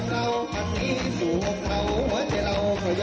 พันธุ์ที่สูงของเราไว้ใจเราก็ยอมประสูจน์